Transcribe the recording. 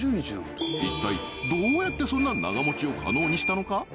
一体どうやってそんな長持ちを可能にしたのか？